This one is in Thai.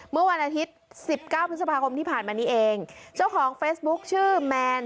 เมื่อวันอาทิตย์สิบเก้าพฤษภาคมที่ผ่านมานี้เองเจ้าของเฟซบุ๊คชื่อแมน